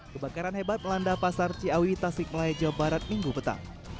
kebakaran hebat melanda pasar ciawi tasik malaya jawa barat minggu petang